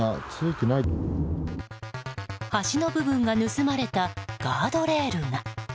端の部分が盗まれたガードレールが。